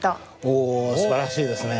おすばらしいですね。